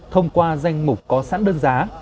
thông qua danh mục có sẵn đơn giá